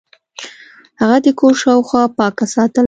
هغه د کور شاوخوا پاکه ساتله.